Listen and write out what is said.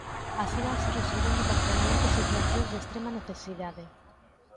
Así vanse resolvendo parcialmente situacións de extrema necesidade.